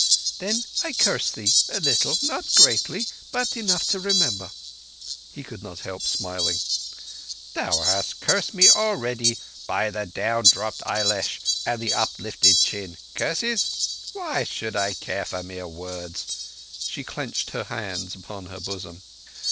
"Then I curse thee—a little—not greatly, but enough to remember." He could not help smiling. "Thou hast cursed me already by the down dropped eyelash and the uplifted chin. Curses? What should I care for mere words?" She clenched her hands upon her bosom